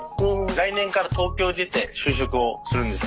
来年から東京に出て就職をするんです。